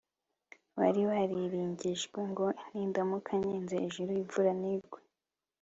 Bari bariringijwe ngo Nindamuka nkinze ijuru imvura ntigwe